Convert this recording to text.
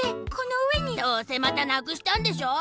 どうせまたなくしたんでしょ？